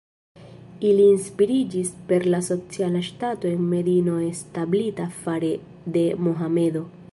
Ili inspiriĝis per la sociala ŝtato en Medino establita fare de Mohamedo.